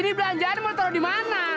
ini belanjaan mau ditaruh dimana